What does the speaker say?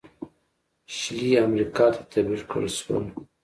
شلي امریکا ته تبعید کړل شول.